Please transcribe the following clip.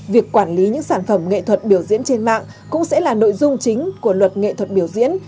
việc quản lý những sản phẩm nghệ thuật biểu diễn trên mạng cũng sẽ là nội dung chính của luật nghệ thuật biểu diễn